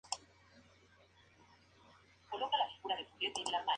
De origen Alemán aunque su venta se produce por toda Europa.